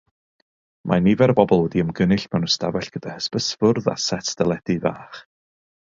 Mae nifer o bobl wedi ymgynnull mewn ystafell gyda hysbysfwrdd a set deledu fach.